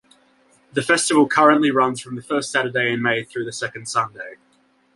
The festival currently runs from the first Saturday in May through the second Sunday.